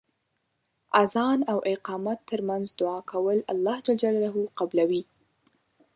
اذان او اقامت تر منځ دعا کول الله ج قبلوی .